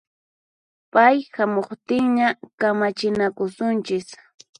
Pay hamuqtinña kamachinakusunchis